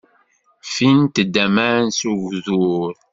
Ffint-d aman s ugdur.